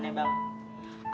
ini aneh banget bang